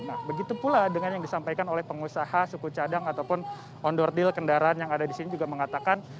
nah begitu pula dengan yang disampaikan oleh pengusaha suku cadang ataupun on door deal kendaraan yang ada disini juga mengatakan